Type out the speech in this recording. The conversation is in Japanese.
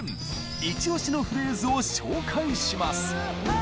イチおしのフレーズを紹介します！